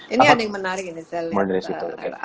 ini yang menarik nih saya lihat